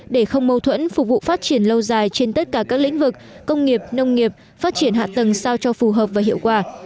để không mâu thuẫn phục vụ phát triển lâu dài trên tất cả các lĩnh vực công nghiệp nông nghiệp phát triển hạ tầng sao cho phù hợp và hiệu quả